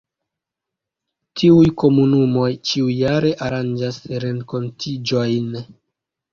Tiuj komunumoj ĉiujare aranĝas renkontiĝojn.